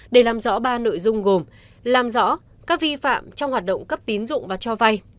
để làm rõ ba nội dung gồm làm rõ các vi phạm trong hoạt động cấp tín dụng và cho vay